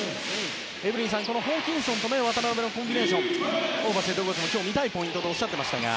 エブリンさん、ホーキンソンと渡邊のコンビネーションはホーバスヘッドコーチも今日見たいポイントとおっしゃっていました。